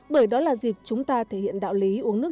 bởi đó là dịp chúng ta thể hiện đạo lý uống nước